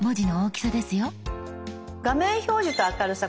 「画面表示と明るさ」